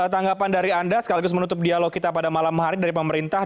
tanggapan dari anda sekaligus menutup dialog kita pada malam hari dari pemerintah